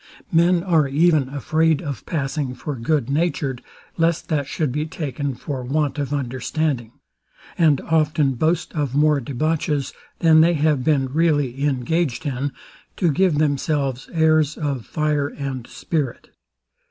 Men are even afraid of passing for goodnatured; lest that should be taken for want of understanding: And often boast of more debauches than they have been really engaged in, to give themselves airs of fire and spirit.